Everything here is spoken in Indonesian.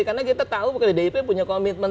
karena kita tahu pdip punya komitmen